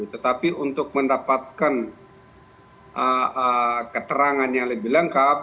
tetapi untuk mendapatkan keterangan yang lebih lengkap